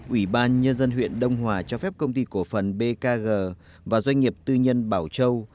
ủy ban nhân dân huyện đông hòa cho phép công ty cổ phần bkg và doanh nghiệp tư nhân bảo châu